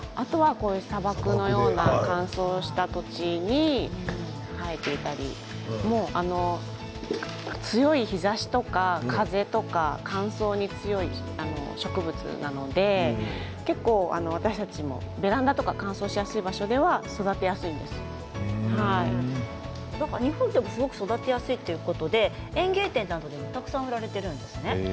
砂漠のような乾燥した土地に生えていたり強い日ざしとか、風とか乾燥に強い植物なので私たちもベランダとか乾燥しやすい場所では日本でも育てやすいということで園芸店などでもたくさん売られているんですよね。